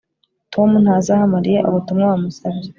Tom ntazaha Mariya ubutumwa wamusabye